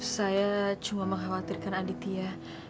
saya cuma mengkhawatirkan aditya